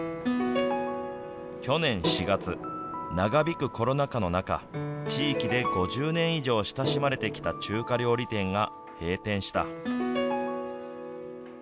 去年４月、長引くコロナ禍の中、地域で５０年以上親しまれてきた中華料理店が閉店した。